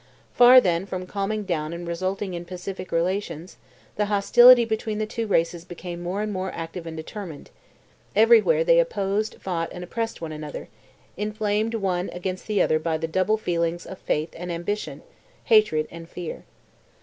Far then from calming down and resulting in pacific relations, the hostility between the two races became more and more active and determined; everywhere they opposed, fought, and oppressed one another, inflamed one against the other by the double feelings of faith and ambition, hatred and fear.